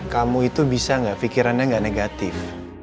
kamu itu bisa gak fikirannya gak negatif